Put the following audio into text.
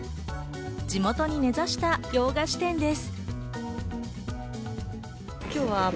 地元に根差した洋菓子店です。